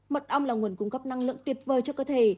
mật ong là nguồn cung cấp năng lượng tuyệt vời cho cơ thể